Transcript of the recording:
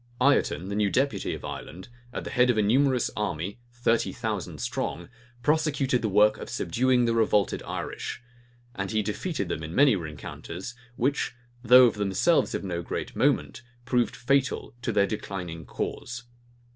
Ireton, the new deputy of Ireland, at the head of a numerous army, thirty thousand strong, prosecuted the work of subduing the revolted Irish; and he defeated them in many rencounters, which, though of themselves of no great moment, proved fatal to their declining cause.